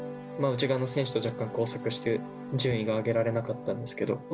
内側の選手と、若干交錯して、順位が上げられなかったんですけど。